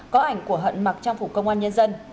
có ảnh của hận mặc trang phục công an nhân dân